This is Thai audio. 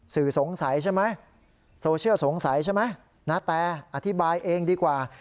สื่อสงสัยใช่ไหมโซเชียลสงสัยใช่ไหมณแต่อธิบายเองดีกว่า